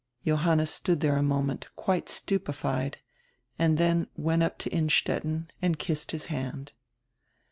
Johanna stood diere a moment quite stupefied, and dien went up to Innstetten and kissed his hand.